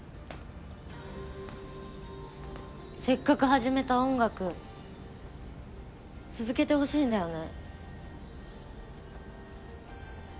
せっかく始めた音楽続けてほしいんだよね。